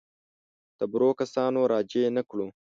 تېرو کسانو راجع نه کړو.